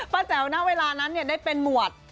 ป้าแจ๋วณเวลานั้นเนี่ยได้เป็นหมวด